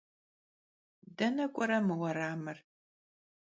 Dene k'uere mı vueramır?